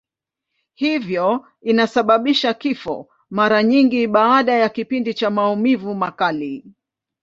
Hivyo inasababisha kifo, mara nyingi baada ya kipindi cha maumivu makali.